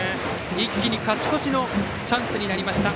一気に勝ち越しのチャンスになりました